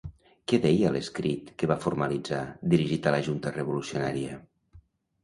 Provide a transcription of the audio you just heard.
Què deia l'escrit que va formalitzar, dirigit a la Junta Revolucionària?